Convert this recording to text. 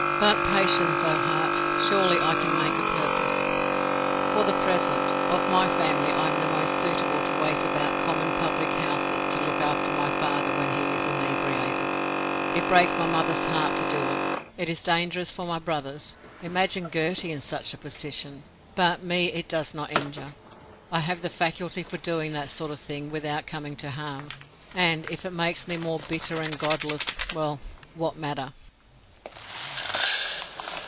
But patience, O heart, surely I can make a purpose! For the present, of my family I am the most suited to wait about common public houses to look after my father when he is inebriated. It breaks my mother's heart to do it; it is dangerous for my brothers; imagine Gertie in such a position! But me it does not injure, I have the faculty for doing that sort of thing without coming to harm, and if it makes me more bitter and godless, well, what matter?